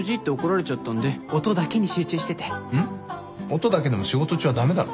音だけでも仕事中は駄目だろ。